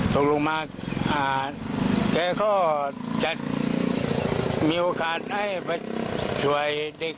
ตกลงมาแก่เขาจัดมีโอกาสให้ช่วยเด็ก